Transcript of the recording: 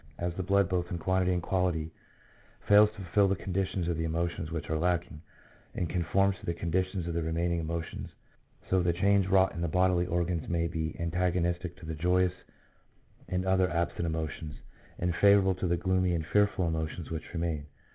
As the blood both in quantity and quality fails to fulfil the conditions of the emotions which are lacking, and conforms to the conditions of the remaining emotions, so the change wrought in the bodily organs may be antagonistic to the joyous and other absent emotions, and favourable to the gloomy and fearful emotions which remain.